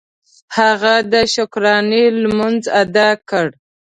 هغه د شکرانې لمونځ ادا کړ.